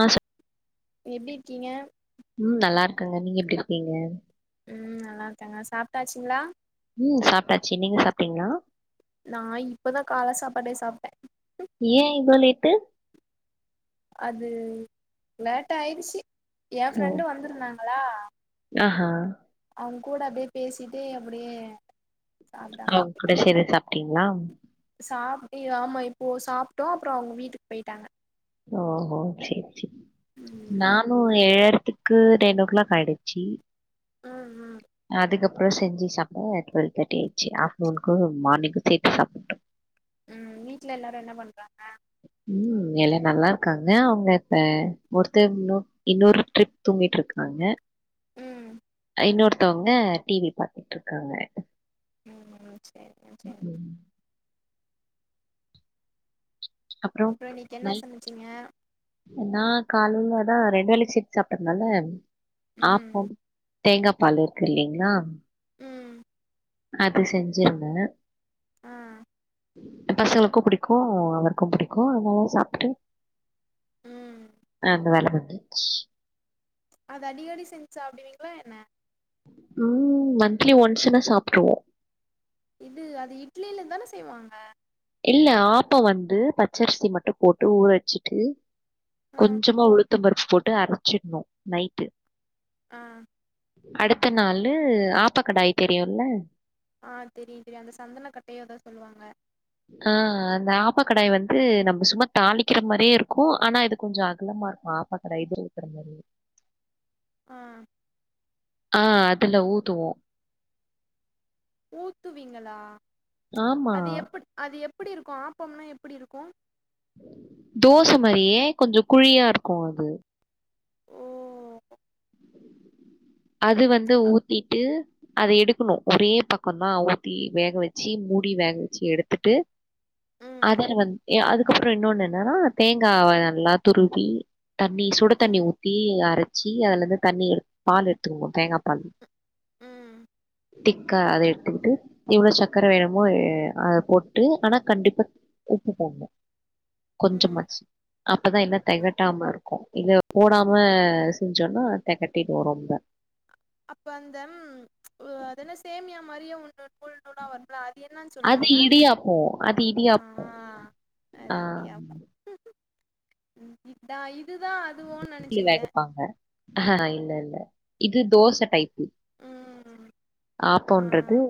ஆ சொ எப்டி இருக்கீங்க ம் நல்லா இருக்கேங்க நீங்க எப்டி இருக்கீங்க ம் நல்லா இருக்கேங்க சாப்ட்டாச்சுங்களா ம் சாப்ட்டாச்சு நீங்க சாப்ட்டீங்களா நா இப்பதான் கால சாப்பாடே சாப்ட்டே ஏன் இவ்ளோ லேட்டு அது லேட்டாயிருச்சு ஏ ஃப்ரெண்டு வந்திருந்தாங்களா ஆஹான் அவங்க கூட அப்டி பேசிட்டே அப்டியே சாப்ட்டாங்க அவ்ங்க கூட சேந்து சாப்ட்டீங்களா சாப்ட் ஏ ஆமா இப்போ சாப்ட்டோ அப்றோ அவங்க வீட்டுக்கு பேயிட்டாங்க ஓஹோ செரி செரி ம் நானு எ‌ழறத்துக்கு டென் ஓ கிளாக் ஆயிடுச்சி ம் ம் அதுக்கப்றோ செஞ்ச சாப்பிட டுவல் தெட்டி ஆயிச்சு ஆஃப்டர்நூனுக்கும் மார்னிங்கும் சேட்டு சாப்டோம் ம் வீட்ல எல்லாரு என்ன பண்றாங்க ம் எல்லா நல்லாருக்காங்க அவங்க இப்ப ஒருத்தே இன்னொரு ட்ரிப் தூங்கிட்டு இருக்காங்க ம் இன்னொருத்தவங்க டிவி பாத்துட்டு இருக்காங்க ம் சேரிங்க சேரி ம் அப்றோ இன்னைக்கு என்ன நைட் சமச்சீங்க நா காலைலதா ரெண்ட வேல் சிப் சாப்படுதுனால ம் ஆப்பம் தேங்கா பால் இருக்கு இல்லைங்களா ம் அது செஞ்சிருந்தே ஆ ஏ பசங்களுக்கும் புடிக்கும் அவருக்கும் புடிக்கு அதுனால சாப்ட்டு ம் ஆ அந்த வேல பண்ணே அது அடி அடி செஞ்சு சாப்பிடுவீங்களா என்ன ம் மந்திலி ஒன்ஸ்னா சாப்ட்டுருவோ இது அது இட்லில தான செய்வாங்க இல்ல ஆப்ப வந்து பச்சரிசி மட்டும் போட்டு ஊற வச்சிட்டு ஆ கொஞ்சமா உளுத்த பருப்பு போட்டு அரச்சிடணு நைட்டு ஆ அடுத்த நாளு ஆப்ப கடாய் தெரியும்ல ஆ தெரியு தெரியு அந்த சந்தன கட்டயோ ஏதோ சொல்லுவாங்க ஆ அந்த ஆப்ப கடாய் வந்து நம்ம சும்மா தாளிக்கிற மாரியே இருக்கும் ஆனா இது கொஞ்ச அகலமா இருக்கும் பாக்க லைப்ரரி இருக்கிற மேரி இருக் ஆ அ அதுல ஊதுவோ ஊத்துவீங்களா ஆமா. அது எப்ப அது எப்டி இருக்கும் ஆப்போம்னா எப்டி இருக்கும் தோச மாரியே கொஞ்ச குழியா இருக்கும் அது ஓ அது வந்து அப் ஊத்திட்டு அத எடுக்கணு ஒரே பக்கதா ஊத்தி வேக வச்சு மூடி வேக வச்சு எடுத்துட்டு ம் அத வந்து அதுக்கப்பற இன்னொண்ணு என்னன்னா தேங்கா நல்லா துருவி தண்ணி சுட தண்ணி ம் ஊத்தி அரச்சு அதுல இருந்து தண்ணி எடு பால் எடு எடுத்துறுவோ தேங்கா பால் ம் திக்கா அத எடுத்துக்கிட்டு இவ்ளோ சக்கர வேணுமோ அத போட்டு ஆனா கண்டிப்பா உப்பு போடணு ம் கொஞ்சமாச்சு அப்பதா எல்லா தெகாட்டாம இருக் இத போடாம செஞ்சோம்ன்னா தகட்டிடும் ரொம்ப அப்ப அந்த அத என்ன சேமியா மாரியே ஒண்ணு நூல் நூல்லா வந்து அது என்னன்னு அது சொல்லுவாங்க இடியாப்பம் அது இடியாப்பம் ஆஹ ஆஹ் அறிவியாக்கும் இதா இதுதா அதுவோன்னு இட நெனச்சுக்கிட்டே வேகப்பாங்க ஆஹ் இல்ல இல்ல இது தோச டைப் ம் ஆப்பம்ன்றது ஆ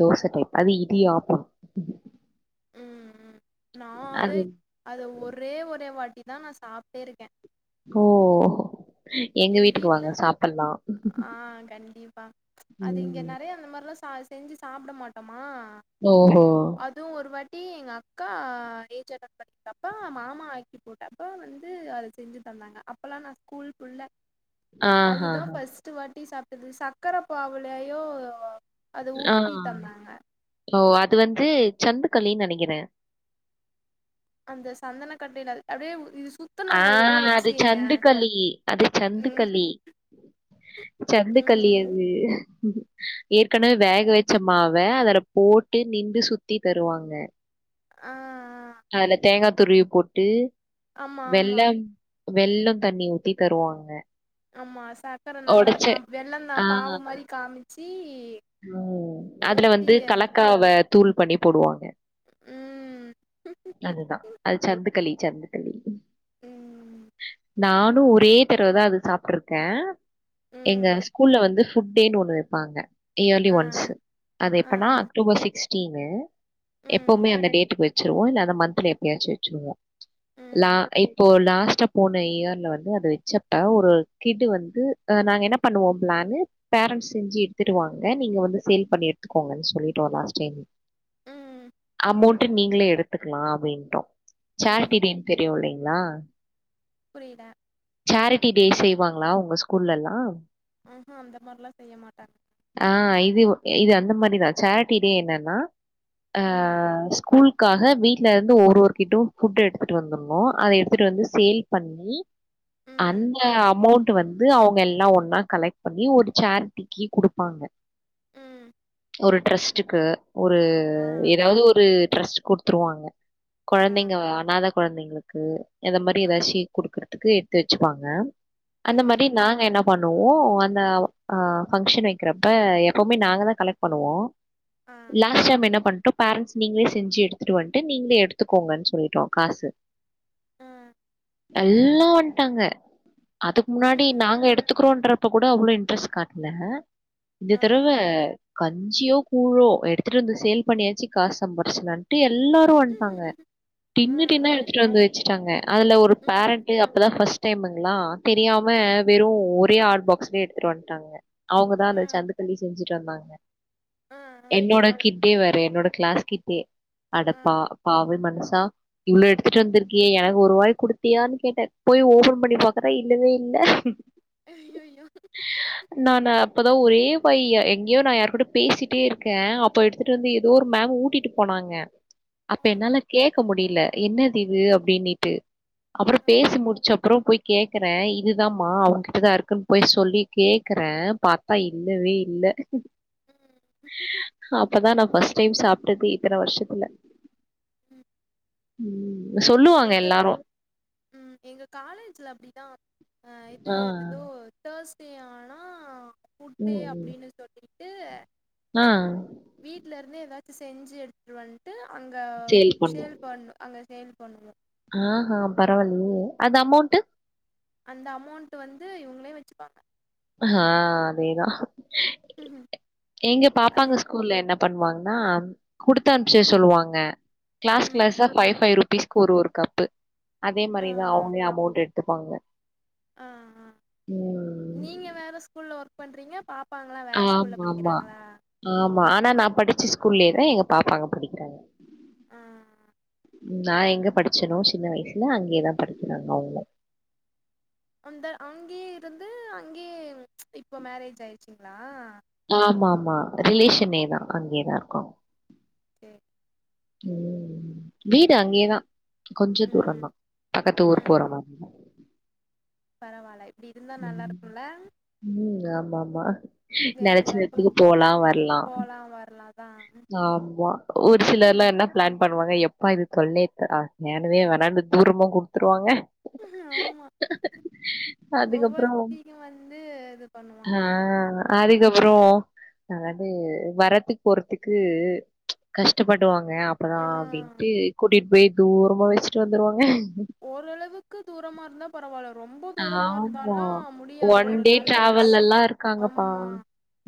தோச டைப் அது இடியாப்பம் ம் நா அதை அது அத ஒரே ஒரு வாட்டி தா நா சாப்ட்டே இருக்க ஓ எங்க வீட்டுக்கு வீட்டுல வாங்க சாப்பிடலாம் ஆ கண்டிப்பா அது இங்க உம் நிறைய அந்த மாதிரல்லா சாச்ச செஞ்சி சாப்ட மாட்டமா ஓஹோ அதுவு ஒரு வாட்டி எங்க அக்கா ஏஜ் அட்டன் பண்ணப்ப மாமா ஆக்கி போட்டு ப்ப வந்து அத செஞ்சு தந்தாங்க அப்பலா நா ஸ்கூல் குள்ள ஆஹா அதுதா ஃபர்ஸ்ட் வாட்டி சாப்ட்து சக்கர பாவூலயு ஆ ஓ அது வந்து சந்துக்கலின்னு நினைக்கிற அந்த சந்தன கட்டல அதே இது சுத் ஆ அது சந்துக்கலி அது ம் சந்துக்கள்ளி சந்து கல்லி ம் அது ஏற்கனவே வேக வச்சமாவ அதல போட்டு நின்டு சுத்தி தருவாங்க ஆ அதுல தேங்கா துருவி போட்டு ஆமா ஆமா வெள்ளம் வெள்ளத் தண்ணி ஊத்தி தருவாங்க ஆமா சக்கர நல்லா ஒடச்ச ம் வெள்ள ந ஆ பாவு மாரி காமிச்சி ம் அதுல ஊத்தி வந்து கலக்காவ தூள் பண்ணி போடுவாங்க ம் அதுதா அது சந்துக்களி சந்துக்களி ம் நானு ஒரே தடவதா அது சாப்ட்ருக்கே எங்க ம் ஸ்கூல்ல வந்து ஃபுட்டேனு ஒண்ணு வெப்பாங்க யேர்லி ஆ ஒன்சு அது ஆ எப்பனா அக்டோபர் சிக்ஸ்டீனு ம் எப்பவுமே அந்த டேட்டுக்கு வெச்சுருவோ இல்ல அந்த மந்த்துல எப்பயாச்சு வெச்சிருவோ ம் லா இப்போ லாஸ்ட்டா போன இயர்ல வந்து அது வெச்சப்ப ஒரு கிட்டு வந்து அ நாங்க என்ன பண்ணுவோ ப்ளானு பேரண்ஸ் செஞ்சு எடுத்துட்டுவாங் க நீங்க வந்து சேல் பண்ணி எடுத்துக்கோங்கன் சொல்லிட்டோ லாஸ்ட் டைம் ம் அமௌண்டு நீங்களே எடுத்துக்கலா அப்டின்டோ ம் சேரிட்டிடேன் தெரியு இல்லைங்ளா புரியில சேரிட்டி டே செய்வாங்ளா, உங்க ஸ்கூலல்லா ஆ ஆ அந்த மாரிலா செய்ய மாட்டாங்க ஆ இது இது அந்த மாரிதா சேரிட்டிடே என்னன்னா அ ம் ஸ்கூல் க்காக வீட்ல இருந்து ஒரு ஒரு கிட்டு ஃபுட்டு எடுத்துட்டு வந்துர்ணு அத எடுத்துட்டு வந்து சேல் பண்ணி ம் அந்த அமௌண்டு வந்து அவுங்க எல்லா ஒன்னா கலெக்ட் பண்ணி ஒரு சேரிட்டிக்கி குடுப் பாங்க ம் ஒரு ட்ரெஸ்ட்டுக்கு ஒரு ஆ எதாவது ஒரு ட்ரஸ்டுக் குடுத்துருவாங்க ஆ கொழந்தைங்க அனாத கொழந்தைங்களுக்கு அத மாரி ஆ எதாச்சு குடுக்கறதுக்கு எட்த்து வெச்சுப்பாங்க அந்த ம் மாரி நாங்க என்ன பண்ணுவோ அந்த ஆ ஃபங்க்ஷன் வெ க்குரப்ப எப்பவுமே நாங்க தா கலெக்ட் பண்ணுவோ ஆ லாஸ்ட் டைம் என்ன பண்ட்டோ பேரண்ஸ் நீங்களே செஞ்சு எடுத்துட்டு வந்ட்டு நீங்களே எடுத்துக்கோங்கன் சொல்லிட்டோ காசு ஆ எல்லா வந்டாங்க அதுக்கு முன்னாடி ம் நாங்க எடுத்துக்றோன்றப்ப கூட அவ்வளோ இன்ட்ரெஸ் காட்ல இந்த ஆ தறவ கஞ்சியோ கூழோ எடுத்துட்டு வந்து சேல் பண்ணியாச்சு காஸ் சம்பாரிச்சிலான் ட்டு எல்லாரு வந்ட்டாங்க ஆ டின்னு டின்னா ஆ எடுத்துட்டு வந்து வெச் சாங்க அதுல ஒரு ம் பேரண்ட்டு அப்பதா ஃபஸ்ட் டைமிங்ளா தெரியாம ம் வெறு ஒரே ஆட் பாக்ஸ்லே எடுத்துட்டு வந்ட்டாங்க அவுங்க தா ஆ அந்த சந்துக்களி செஞ்சுட்டு வந்தாங்க ஆ என்டோடா கிட் டே வேர என்னோட க்ளாஸ் கிட்டே ஆ அடப்பா பாவி மனுசா இவ்ளோ எடுத்துட்டு வந்திருக்கியே எனக் ஒருவாய் குடுத்தியானு கேட்டே போய் ஓபன் பண்ணி பாக்கற இல்லவே இல்ல அய்யய்யோ நானா அப்பதா ஒரே பைய்ய எங்க்யோ நா யாரு கூட பேசிட்டே இருக்கே அப்ப எடுத்துட்டு வந்து எதோ ஒரு மேம் ஊட்டிட்டு போனாங்க அப்ப ஆ என்னால கேக்க முடில என்னதிது அப்டினிட்டு அப்பறோ ஆ பேசி முடிச்சப்றோ போய் கேக்குற இதுதாம்மா அவுங்கிட்டதா இருக்குன் போய் சொல்லி கேக்குற பாத்தா இல்லவே இல்ல ம் அப் பதா நா ஃபஸ் டைம் சாப்ட்டது இத்தன வர்ஷத்துல ம் ம் சொல்லுவாங்க எங்க எல்லாரு ம் எங்க காலேஜ்ல அப்டிதா அ இது ஆ. அத் எதோ தேஸ்டே ஆனா ஃபுட்டே ம், ம். அப்டினு சொல்லிட்டு ஆ வீட்ல இருந்து எதாச்சு செஞ்சு எடுத்துட்டு ந்ட்டு அங்க சேல் பண் அங்க சேல் பண்ணுவோ ஆஹா பரவால்லையே அது அமௌன்டு அந்த அமௌண்ட் வந்து இவுங்களே வச்சுப்பாங்க ஆ அதேதா எங்க அது பாப்பாங்க ஸ்கூ ஸ்கூல என்ன பண்வாங்னா குடுத்த அம்ச்ச சொல்வாங்க கிளாஸ் ம் கிளஸா ஃபைவ் ஃபைவ் ரூப்பீஸ்க்கு ஒரு ஒரு கப்பு அதே ஆ மாரிதா அவுங்களே அமௌண்ட் எடுத்துப்பாங்க ஆ ஆ ம் நீங்க வேற ஸ்கூல்ல ஒர்க் பண்றீங்க பாப் ப்பாங்களா வேற ஸ்கூல்ல ஆமா ஆமா படிக்கிறாகளா ஆமா ஆனா நா படிச்சு ஸ்கூல்லயேதா எங்க பாப்பாங்க படிக்கிறாங்க ஆ நா எங்க படிச்சனோ சின்ன வயசுல அங்கேயதா படிக்கிறாங்க அவங்கலு. அந்த அங்கேயே இருந்து அங்கேயே இப்போ மேரேஜ் ஆயிருச்சுங்களா ஆம்மா ஆம்மா ரிலேஷனே தா அங்கேதா இருக்கு [inaudible] வீடு அங்கேயேதா கொஞ்சோ ம் தூரதா பக்கத்து ஊர் போற மாரிதா பரவால இப்டி இருந்தா நல்லா ம் இருக்கும்ல ம் ஆமா மா நினச்ச வேணுங்கிறப்போ நேறத்துக்கு போலா வர்லா போலா வரலா தா ஆமா ஒரு சிலர்லா என்ன பிளான் பண்ணுவாங்க எப்பா இது தொல்லேயே தரா வேண்டவேவேன்டான்னு தூரமா குடுத்துருவாங்க ஆமா அதுக்கப்புறோ ஒவ்வொருத்தியு வந்து இது பண்ணுவாங்க ஆ அதுக்கப்புறோ அதாவ்து வரத்துக்கு போறதுக்கு கஷ்டப்படுவாங்க அப்பறோ ஆ அப்டின்ட்டு கூட்டிட் போய் தூரமா வச்சுட்டு வந்துருவாங்க ஓரளவுக்கு தூரமா இருந்தா பரவாயில்ல ரொம்ப தூரமா ஆமா இருந்தாலாம் முடியாது ஒன் ஒரு டே நல்ல விஷ்யோ டிராவல்லல்லா இருக்காங்கப்பா ஆமா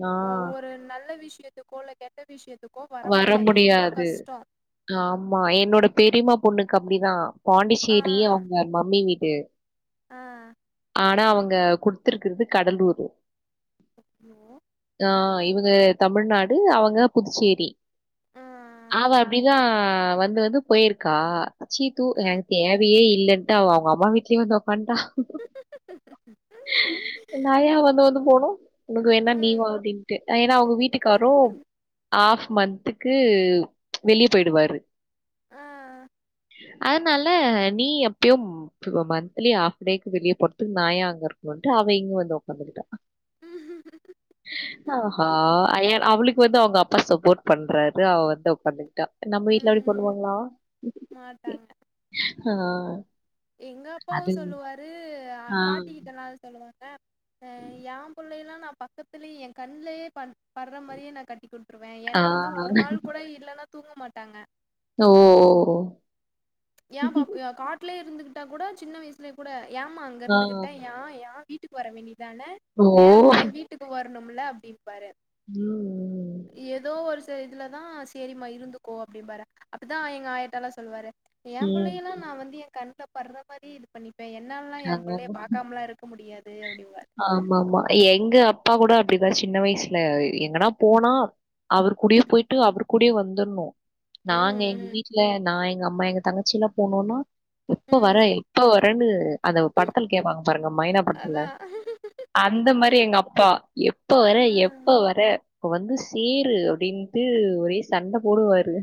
ஆ ஒவ்வொரு நல்ல விஷயத்துக்கோ இல்ல கெட்ட விஷயத்துக்கோ வர முடியாது ரொம்ப கஷ்டோ ஆமா என்னோட பெரியமா பொண்ணுக்கு அப்படிதா ஆ பாண்டிச்சேரி அவ்ங்க மம்மி வீடு ஆ ஆனா அவங்க குடுத்துருக்கிறது கடலூர் [inaudible] ஆ இவுக தமிழ்நாடு அவுக புதுசேர் ரீ ஆ அவா அப்டிதா வந்து வந்து போயிருக்கா சீத்து எ ஆ ங்டி தேவையே இல்லன்ட்டு அவ அவ்ங்க அம்மா வீட்லயே வந்து உக் காண்டா நா யா வந்து வந்து போனு உனக்கு வேணா ம் நீவா அப்டின்ட்டு ஏனா அவுங்க வீட்டுக்காரு மந்த்துக்கு வெளிய போயிடுவாரு ஆ அதனால நீ எப்பயும் இப்ப மந்த்த்லி ஆஃப் டேக்கு வெளிய போறக்கு நாயா அங்க இருக்கும்ட்டு அவ இங்க வந்து உக்காந்துக்கிட்டா ஆஹ்ஹா ஆ அய்யல் அவளுக்கு வந்து அவங்க அப்பா சப்போட் பண்றாரு அவ வந்து உக்க ந்துகிட்டா நம்ம வீட்டுல அப்டி ம் பண்ணுவாங்களா மாட்டாங்க ஆ எங்க அப்பாவு அது சொல்லுவாரு ஆ பாட்டிக்கிட்டனா சொல்லுவாங்க யா புள் புளையலா நா பக்கத்திலே எ கண்லயே பட்ற மாரியே நா கட்டி குடு ந்ருவே ஆ. ஏன்னா வந்து ஒரு நாள் கூட இல்லன்னா தூங்க மாட்டாங்க ஓ ஏ பாப் காட்லயே இருந்துகிட்டா கூட சின்ன வயசுலயு கூட யாம்மா அங்க ஆ இருந்துகிட்ட யா யா வீட் வீட்டுக்கு வர வேண்டிதான ஓ! நேரமானா வீட்டுக்கு வரணும்ல அப்டின் பாரு ம் ஏதோ ஒரு சில இதுலதா சேரிமா இருந்துக்கோ அப்டின்பார அப்டிதா எங்க ஆயட்டல்லா சொல்லுவாரு ம், என் ம். பிள்ளையல்லா நா வந்து என் கண்ல பட்ற மாரி இது பண்ணிப்பே என்னாலல்லா ஆ என் பிள்ளைய பாக்காமலா இருக் க்க முடியாது அப்டின்பா ஆமா ஆமா எங்க அப்பா கூட அப்படிதா சின்ன வயசுல எங்கனா போனா அவர் கூடியே போய்ட்டு அவர் கூடியே வந்துன்னு அதா நாங்க எங்க ம் வீட்ல நா எங்க அம்மா எங்க தங்கச்சில்லா போனோனா எப்ப வர ம் எப்ப வரன்னு அந்த படத்துல கேப்பாங்க பாருங்க மைனா படத்துல அதான். அந்த மாரி எங்க அப்பா எப்ப வர எப்ப ம், வர இப்ப வந்து சேரு அப்டின்ட்டு ஒரே சண்ட போடுவாரு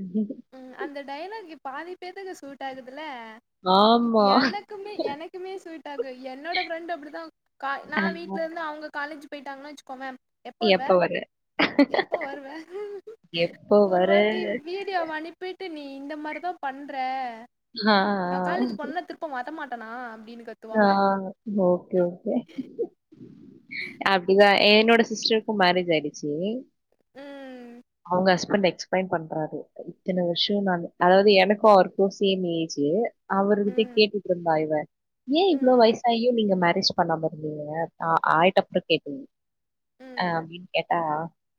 ம் அந்த டையலாகு பாதி பேத்துக்கு சூட் ஆகுதுல ஆமா. எனக்குமே எனக்குமே ஸுட் ஆகு என்னோட ஃப்ரெண்ட் அப்டிதா கா நா வீட்ல இருந்து அவுங்க காலேஜ் போயிட்டாங்கன்னு வச்சுக்கோவ எப்ப வருவ எப்ப வருவ எப்ப வர?" ஒருவாட்டி வீட் ந்தி அவ அனுப்பிட்டு நீ இந்த மாரி தா பண்ற ஆ, நா ஆ. காலேஜ் போனா திரு மாட்ட மாட்டனா அப்டின்னு கத் ஆ ஓகே ஓகே அப்டிதா என்னோட சிஸ்டருக்கு மேரேஜ் ஆயிடுச்சு ம் அவுங்க ஹஸ்பண்ட் எக்ஸ் ப்லைன் பன்றாரு இத்தன வருஷ நான் அதாவது எனக்கு அவருக்கு சேம் ஏஜு அவர்கிட்டயே ம் கேட்டுட்டு இருந்தா இவ ஏ இவ்ளோ ம் வயசாயும் நீங்க மேரஜ் பண்ணாம இருந்தீங்க அ ஆயிட்டப்புற கேட்டீங்க அ ம் அப்டின் கேட் ஆ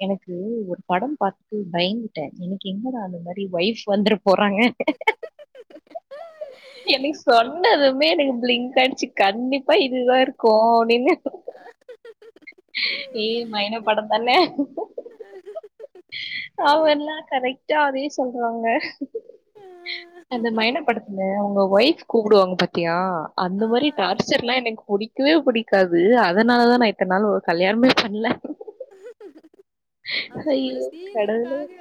எனக்கு ஒரு படம் பாத்துட்டு பயின்ட்ட எனக்கு எங்கடா அந்த மாரி ஒய்ஃப் வந்துற போறாங்க எனக் சொன்னதுமே எனக் ப்லிங்க் அயிடிச்சு கண்டிப்பா இதுதா இருக்கோ அப்டின்னே ஏ மைனா படந்தானே ஆமால்ல கரெக்ட் ஏ அதே சொல்றாங்க அந்த மைனா படத்துல அவங்க ஒய்ஃப் கூப்பிடுவாங்க பாத்தியா அந்த ஆ மாரி டார்ச்சர்ல்லா எனக்கு புடிக்கவே புடிக்காது அதனாலதா நா இத்தன்னால் கல்யாணமே பண்ல அந்த ஒரு ஹய்யோ கடவுளே சீனுக்காக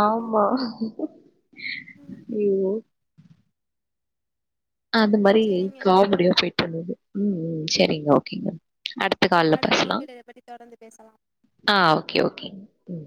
ஆமா ம் ஐயோ அந்த மாரி சேரிங்க காமெடியா போயிட்ருந்தது ம் ம் செரிங்க ஓகேங்க அடுத்த நம்ம கால்ல அடுத்த பேசலாம் இணைப்பில் இத பத்தி தொடர்ந்து பேசலா ஆ ஓகே ஓகே ம்